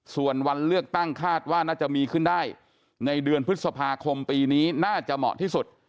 ส่วนวันเลือกตั้งคาดว่าน่าจะมีขึ้นได้ในเดือนพฤษภาคมปีนี้น่าจะเหมาะที่สุด